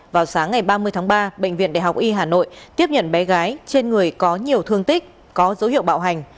vào sáng ngày ba mươi tháng ba bệnh viện đại học y hà nội tiếp nhận bé gái trên người có nhiều thương tích có dấu hiệu bạo hành